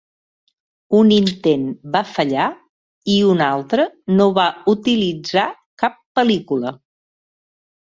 Un intent va fallar i un altre no va utilitzar cap pel·lícula.